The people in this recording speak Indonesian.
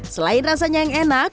selain rasanya yang enak